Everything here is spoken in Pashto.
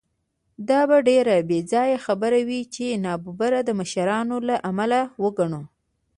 دا به ډېره بېځایه خبره وي چې نابرابري د مشرانو له امله وګڼو.